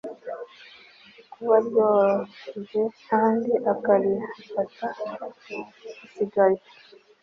kuba ryoroheje kandi akarifata hasigaye